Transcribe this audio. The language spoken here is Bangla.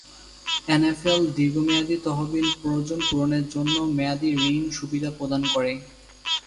এনএফএল দীর্ঘমেয়াদি তহবিল প্রয়োজন পূরণের জন্য মেয়াদী ঋণ সুবিধা প্রদান করে।